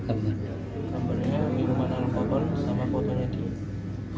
kampernya minuman alfaban sama fotonya dia